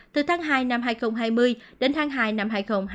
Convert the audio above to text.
từ tháng hai năm hai nghìn hai mươi đến tháng hai năm hai nghìn hai mươi